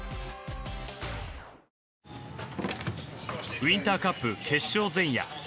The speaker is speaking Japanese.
ウインターカップ決勝前夜。